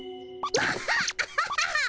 ワハアハハハハ。